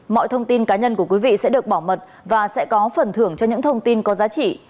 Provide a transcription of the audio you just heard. mọi thông tin cá nhân của quý vị sẽ được bảo mật và sẽ có phần thưởng cho những thông tin có giá trị